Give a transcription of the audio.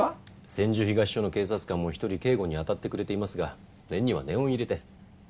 千住東署の警察官も１人警護にあたってくれていますが念には念を入れて。